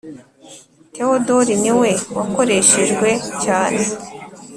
Theodor ni we wakoreshejwe cyane.